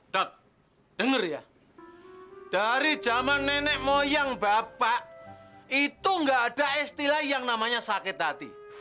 dok dengar ya dari zaman nenek moyang bapak itu gak ada istilah yang namanya sakit hati